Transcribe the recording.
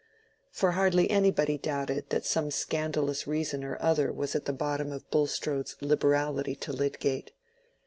For hardly anybody doubted that some scandalous reason or other was at the bottom of Bulstrode's liberality to Lydgate.